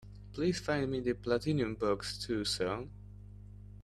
Please find me the Platinum Box II song?